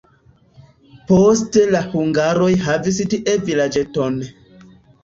Poste la hungaroj havis tie vilaĝeton.